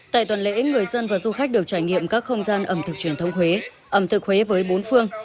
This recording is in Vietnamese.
tại tuần lễ người dân và du khách được trải nghiệm các không gian ẩm thực truyền thống huế ẩm thực huế với bốn phương